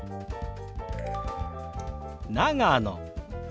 「長野」。